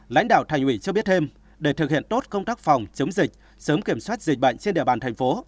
lãnh đạo thành ủy cho biết thêm để thực hiện tốt công tác phòng chống dịch sớm kiểm soát dịch bệnh trên địa bàn thành phố